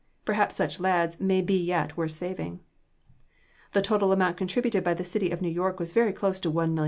Perhaps such lads may be yet worth saving. The total amount contributed by the City of New York was very close to $1,000,000.